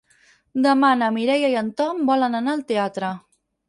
Demà na Mireia i en Tom volen anar al teatre.